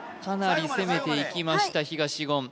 かなり攻めていきました東言